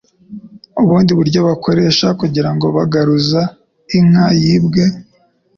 Ubundi buryo bakoresha kugirango bagaruza inka yibwe,